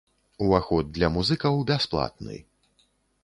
Уваход для музыкаў бясплатны.